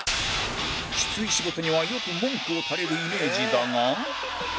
きつい仕事にはよく文句を垂れるイメージだが